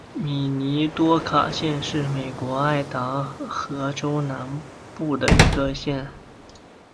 米尼多卡县是美国爱达荷州南部的一个县。